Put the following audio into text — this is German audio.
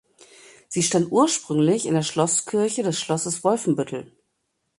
Sie stand ursprünglich in der Schlosskirche des Schlosses Wolfenbüttel.